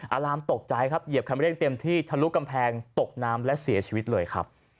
อารามตกใจครับเหยียบคันเร่งเต็มที่ทะลุกำแพงตกน้ำและเสียชีวิตเลยครับ